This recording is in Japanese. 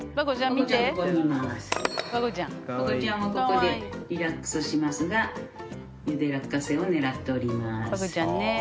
パコちゃんもここでリラックスしますがゆで落花生を狙っております。